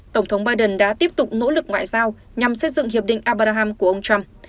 tổng thống biden đã tiếp tục nỗ lực ngoại giao nhằm xây dựng hiệp định abbaraham của ông trump